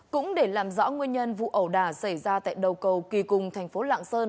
cũng để làm rõ nguyên nhân vụ ẩu đả xảy ra tại đầu cầu kỳ cùng thành phố lạng sơn